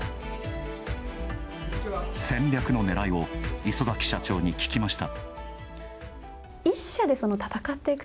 戦略のねらいを磯崎社長に聞きました。